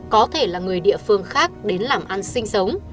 có thể là người địa phương khác đến làm ăn sinh sống